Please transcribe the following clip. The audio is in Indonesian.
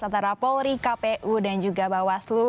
antara polri kpu dan juga bawaslu